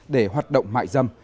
để hoạt động mại dâm